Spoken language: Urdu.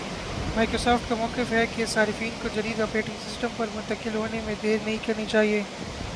مائیکروسافٹ کا مؤقف ہے کہ صارفین کو جدید آپریٹنگ سسٹم پر منتقل ہونے میں دیر نہیں کرنی چاہیے